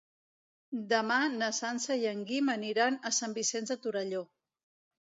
Demà na Sança i en Guim aniran a Sant Vicenç de Torelló.